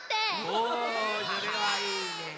おそれはいいね！